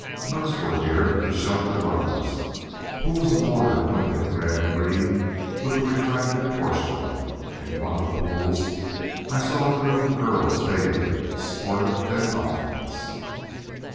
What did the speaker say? Nooks were here to shelter lovers, pools of water glinted red and green with the reflected torchlight. In one of the pools I saw a group of girls bathing, sportive as dolphins.